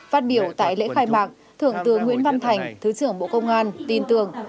phát biểu tại lễ khai mạc thượng tướng nguyễn văn thành thứ trưởng bộ công an tin tưởng